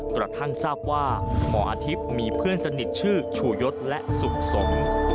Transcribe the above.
กระทั่งทราบว่าหมออาทิตย์มีเพื่อนสนิทชื่อชูยศและสุขสม